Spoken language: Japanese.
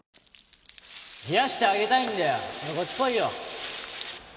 冷やしてあげたいんだよほらこっち来いよ